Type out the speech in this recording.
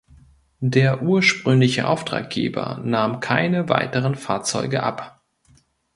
Der ursprüngliche Auftraggeber nahm keine weiteren Fahrzeuge ab.